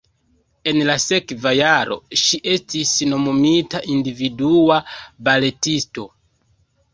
En la sekva jaro ŝi estis nomumita individua baletisto.